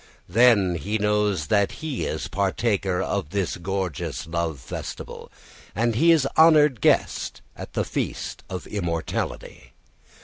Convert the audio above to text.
Then he knows that he is the partaker of this gorgeous love festival, and he is the honoured guest at the feast of immortality.